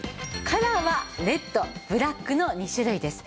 カラーはレッドブラックの２種類です。